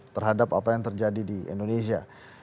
terhadap apa yang terjadi di indonesia